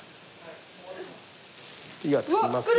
火がつきます。